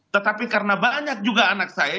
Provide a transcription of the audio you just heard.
tetapi karena banyak juga anak saya